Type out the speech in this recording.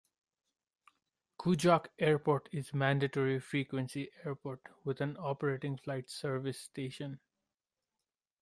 Kuujjuaq Airport is a mandatory frequency airport with an operating Flight Service Station.